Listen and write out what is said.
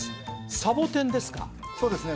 サボテンですか？